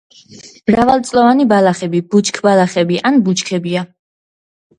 მრავალწლოვანი ბალახები, ბუჩქბალახები ან ბუჩქებია.